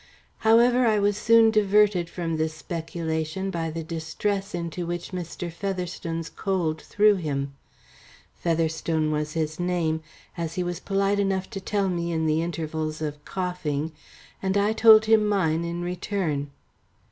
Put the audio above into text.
However, I was soon diverted from this speculation by the distress into which Mr. Featherstone's cold threw him. Featherstone was his name, as he was polite enough to tell me in the intervals of coughing, and I told him mine in return.